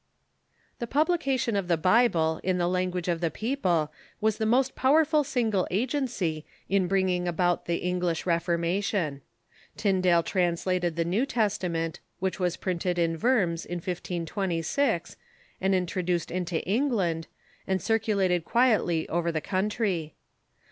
The publication of the Bible in the language of the people was the most powerful single agency in bringing about the English Reformation, Tyndale translated the ''"thi'^Se °'^^"^^ Testament, Avhich was printed in Worms in 1526, and introduced into England, and cir culated quietly over the country.